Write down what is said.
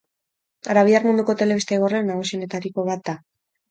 Arabiar munduko telebista igorle nagusienetariko bat da.